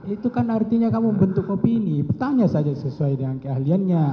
itu kan artinya kamu membentuk opini tanya saja sesuai dengan keahliannya